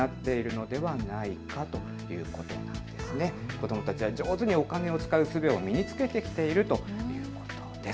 子どもたちは上手にお金を使うすべを身につけてきているということです。